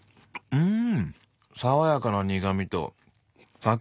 うん！